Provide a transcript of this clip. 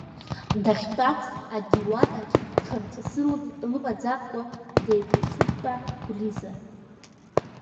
Дахьтәац, адиуанаҿ, ҽырҵысы лымаӡамкәа, деиқәыԥсы дтәан Гәлиза.